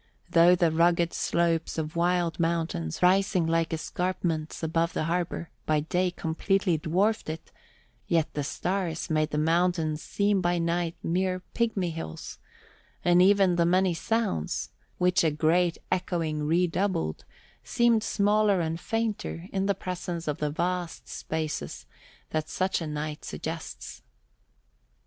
Though the rugged slopes of wild mountains, rising like escarpments above the harbour, by day completely dwarfed it, yet the stars made the mountains seem by night mere pigmy hills, and even the many sounds, which a great echoing redoubled, seemed smaller and fainter in the presence of the vast spaces that such a night suggests.